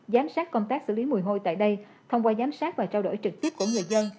giám sát công tác xử lý mùi hôi tại đây thông qua giám sát và trao đổi trực tiếp của người dân